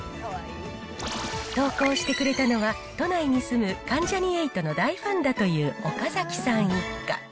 投稿してくれたのは、都内に住む関ジャニ∞の大ファンだという岡崎さん一家。